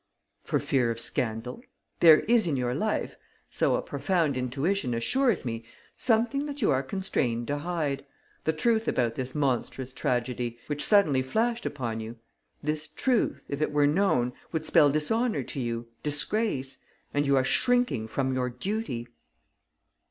"For fear of scandal. There is in your life, so a profound intuition assures me, something that you are constrained to hide. The truth about this monstrous tragedy, which suddenly flashed upon you, this truth, if it were known, would spell dishonour to you, disgrace ... and you are shrinking from your duty."